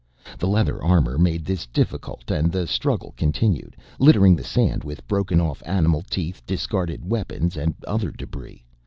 The leather armor made this difficult and the struggle continued, littering the sand with broken off animal teeth, discarded weapons and other debris.